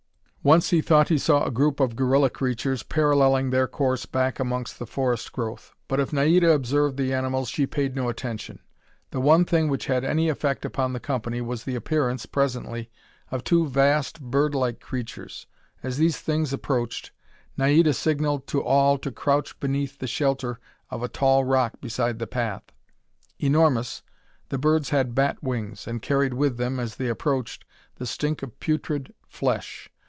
Once he thought he saw a group of gorilla creatures parallelling their course back amongst the forest growth, but if Naida observed the animals, she paid no attention. The one thing which had any effect upon the company was the appearance, presently, of two vast, birdlike creatures. As these things approached, Naida signaled to all to crouch beneath the shelter of a tall rock beside the path. Enormous, the birds had bat wings, and carried with them, as they approached, the stink of putrid flesh.